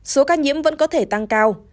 số ca nhiễm vẫn có thể tăng cao